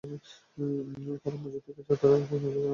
তাঁরা মসজিদ নিয়ে অনেক কথা বললেও নিজেদের নাম প্রকাশ করতে রাজি হননি।